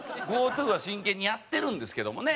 ＴＯは真剣にやってるんですけどもね